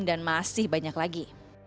dan masih banyak lagi